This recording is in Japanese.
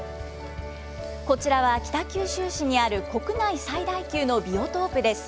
こちらは北九州市にある国内最大級のビオトープです。